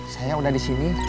saya udah di sini